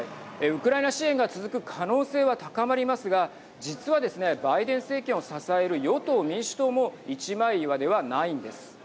ウクライナ支援が続く可能性は高まりますが実はですね、バイデン政権を支える与党・民主党も一枚岩ではないんです。